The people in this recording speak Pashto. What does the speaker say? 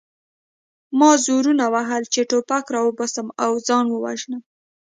ما زورونه وهل چې ټوپک راوباسم او ځان ووژنم